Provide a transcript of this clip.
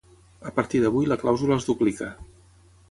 A partir d'avui la clàusula es duplica